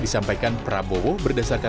disampaikan prabowo berdasarkan